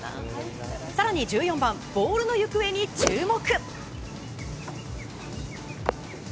更に１４番、ボールの行方に注目。